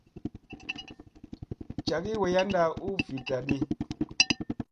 Cagi wayɗa u viɗta di.